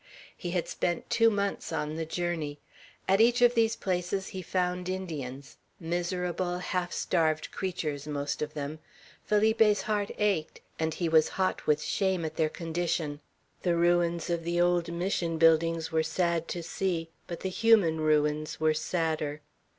He had spent two months on the journey. At each of these places he found Indians; miserable, half starved creatures, most of them. Felipe's heart ached, and he was hot with shame, at their condition. The ruins of the old Mission buildings were sad to see, but the human ruins were sadder.